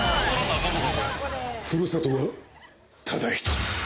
ふるさとはただ１つ。